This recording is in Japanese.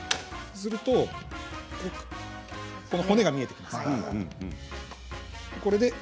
すると骨が見えてきますね。